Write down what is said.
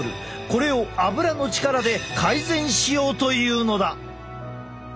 これをアブラの力で改善しようというのだ！